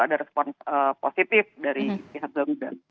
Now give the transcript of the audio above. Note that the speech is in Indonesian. ada respon positif dari pihak garuda